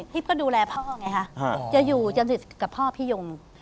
ก็ดูแลพ่อไงคะจะอยู่จะติดกับพ่อพี่ยง